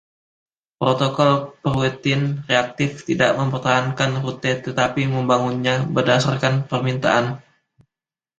Protokol perutean reaktif tidak mempertahankan rute, tetapi membangunnya berdasarkan permintaan.